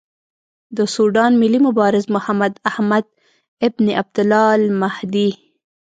د سوډان ملي مبارز محمداحمد ابن عبدالله المهدي.